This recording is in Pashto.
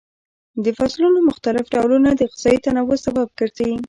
د فصلونو مختلف ډولونه د غذایي تنوع سبب ګرځي.